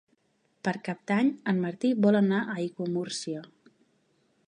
Per Cap d'Any en Martí vol anar a Aiguamúrcia.